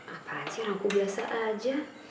apaan sih orang aku biasa aja